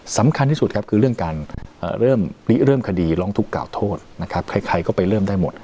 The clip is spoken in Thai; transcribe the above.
สำคัญที่สุดครับคือเรื่องการเริ่มคดีร้องทุกข่าโทษนะครับใครก็ไปเริ่มได้หมด